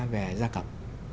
về gia cập